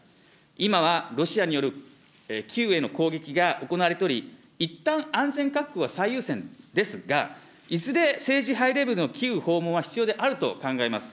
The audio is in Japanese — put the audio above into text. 今はロシアによるキーウへの攻撃が行われており、いったん安全確保が最優先ですが、いずれ、政治ハイレベルでのキーウ訪問は必要であると考えます。